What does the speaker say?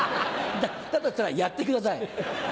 だとしたらやってください。